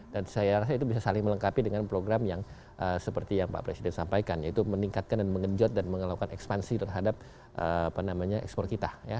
dan saya rasa itu bisa saling melengkapi dengan program yang seperti yang pak presiden sampaikan yaitu meningkatkan dan mengejut dan melakukan ekspansi terhadap ekspor kita